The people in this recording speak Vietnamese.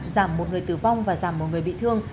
giảm một người tử vong và giảm một người bị thương